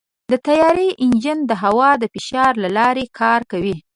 د طیارې انجن د هوا د فشار له لارې کار کوي.